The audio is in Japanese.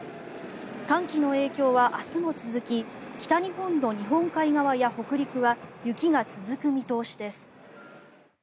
寒気の影響は明日も続き北日本の日本海側や北陸は雪が続く見通しです。